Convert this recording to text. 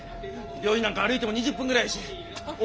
病院なんか歩いても２０分ぐらいやしお